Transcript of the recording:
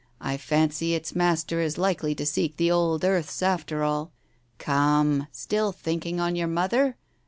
I fancy its master is likely to seek the old earths after all. ... Come, still thinking on your mother?